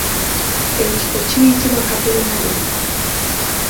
Ekifo kiyitibwa kagolomolo.